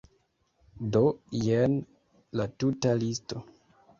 Do, jen la tuta listo.